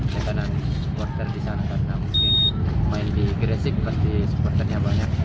kita dan supporter disana karena mungkin pemain di gresik pasti supporternya banyak